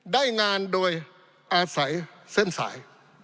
ได้งานโดยอาศัยเส้นสาย